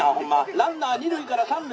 ランナー二塁から三塁」。